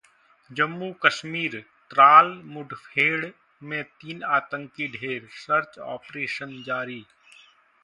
जम्मू-कश्मीर: त्राल मुठभेड़ में तीन आतंकी ढेर, सर्च ऑपरेशन जारी